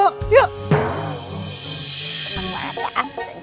kayak mengapa gini sih